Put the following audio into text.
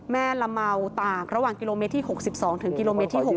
ละเมาต่างระหว่างกิโลเมตรที่๖๒ถึงกิโลเมตรที่๖